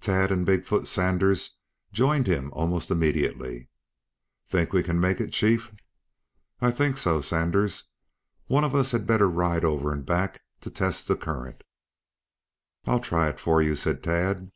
Tad and Big foot Sanders joined him almost immediately. "Think we can make it, chief?" "I think so, Sanders. One of us had better ride over and back to test the current." "I'll try it for you," said Tad.